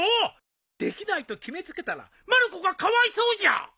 できないと決めつけたらまる子がかわいそうじゃ。